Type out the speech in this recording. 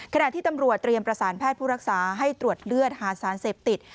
ขณะที่ตำรวจเตรียมประสานแพทย์ผู้รักษาให้ตรวจเลือดหาสารเสพติด